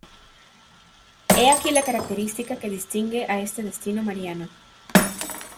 He aquí la característica que distingue a este destino mariano.